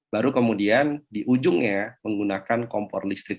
baru kemudian di ujungnya menggunakan kompor listrik